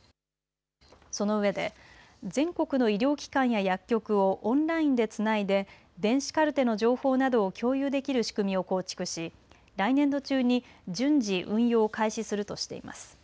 そのうえで全国の医療機関や薬局をオンラインでつないで電子カルテの情報などを共有できる仕組みを構築し来年度中に順次、運用を開始するとしています。